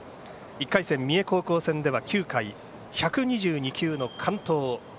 １回戦、三重高校戦では９回１２９球の好投。